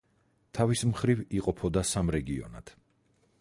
თავის მხრივ იყოფოდა სამ რეგიონად.